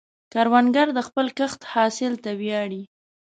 کروندګر د خپل کښت حاصل ته ویاړي